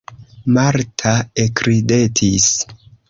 Marta ekridetis.